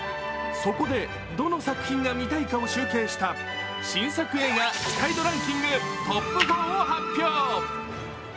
そこで、どの作品が見たいかを集計した新作映画期待度ランキングトップ４を発表。